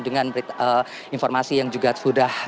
dengan informasi yang juga sudah